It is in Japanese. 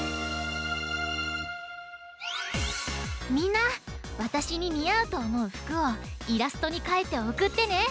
みんなわたしににあうとおもうふくをイラストにかいておくってね！